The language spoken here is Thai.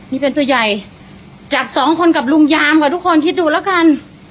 นี่เป็นตัวใหญ่จากสองคนกับลุงยามค่ะทุกคนคิดดูแล้วกัน